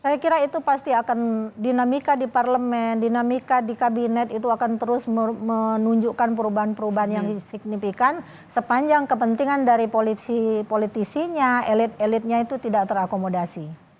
saya kira itu pasti akan dinamika di parlemen dinamika di kabinet itu akan terus menunjukkan perubahan perubahan yang signifikan sepanjang kepentingan dari politisinya elit elitnya itu tidak terakomodasi